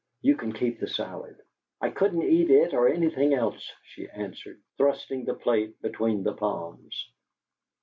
"You can keep the salad." "I couldn't eat it or anything else," she answered, thrusting the plate between the palms.